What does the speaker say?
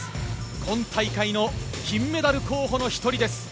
今大会の金メダルの候補の１人です。